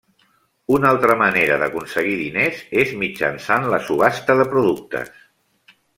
Una altra manera d'aconseguir diners és mitjançant la subhasta de productes.